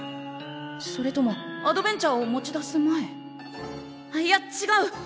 それともアドベン茶を持ち出す前？いやちがう。